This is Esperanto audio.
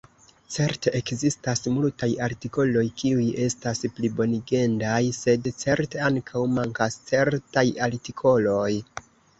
Certe ekzistas multaj artikoloj kiuj estas plibonigendaj, sed certe ankaŭ mankas certaj artikoloj.